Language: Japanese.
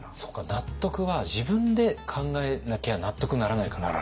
納得は自分で考えなきゃ納得にならないから。